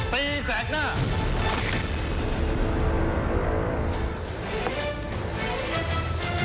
ชุวิตตีแสกหน้า